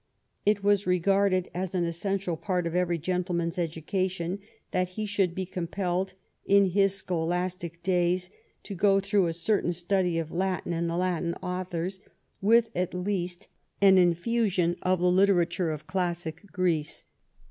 It was regarded as an essen tial part of every gentleman's education that he should be compelled in his scholastic days to go through a certain study of Latin and the Latin authors, with at least an infusion of the literature of classic Greece.